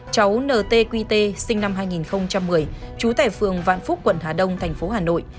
cháu n t quy t sinh năm hai nghìn một mươi trú tại phường vạn phúc quận hà đông tp hà nội